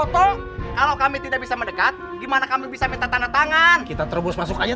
kalau kami tidak bisa mendekat gimana kami bisa minta tanda tangan kita terbos masuk aja